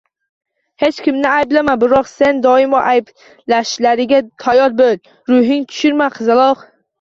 Hech kimni ayblama, biroq seni doimo ayblashlariga tayyor bo‘l. Ruhingni tushirma, qizaloq.